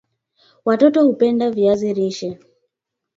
Watoto hupenda viazi lishe